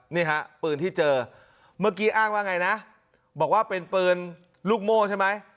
นี่ฮะปืนที่เจอเมื่อกี้อ้างว่าไงนะบอกว่าเป็นปืนลูกโม่ใช่ไหม